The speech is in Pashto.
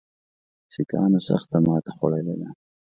سیکهانو سخته ماته خوړلې ده.